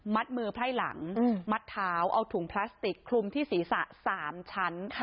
มือไพร่หลังมัดเท้าเอาถุงพลาสติกคลุมที่ศีรษะ๓ชั้น